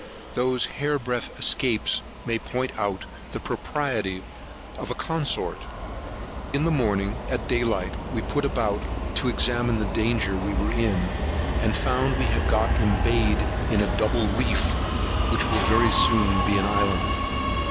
Those hair breadth escapes may point out the propriety of a consort. In the morning, at day light, we put about, to examine the danger we were in, and found we had got embayed in a double reef, which will very soon be an island.